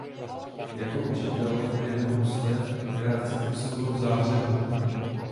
Jako učitel hry na housle krátce působil v Záhřebu.